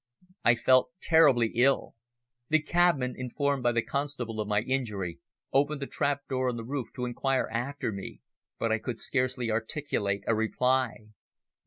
I felt terribly ill. The cabman, informed by the constable of my injury, opened the trap door in the roof to inquire after me, but I could scarcely articulate a reply.